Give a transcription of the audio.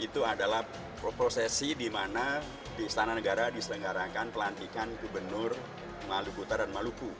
itu adalah prosesi di mana di istana negara diselenggarakan pelantikan gubernur malukuta dan maluku